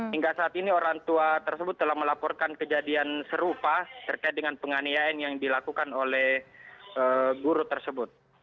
hingga saat ini orang tua tersebut telah melaporkan kejadian serupa terkait dengan penganiayaan yang dilakukan oleh guru tersebut